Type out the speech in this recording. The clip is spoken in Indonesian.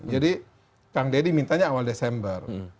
jadi kang deddy mintanya awal desember